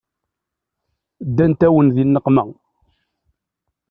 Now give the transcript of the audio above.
Ddant-awen di nneqma.